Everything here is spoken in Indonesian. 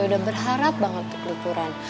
udah berharap banget untuk liburan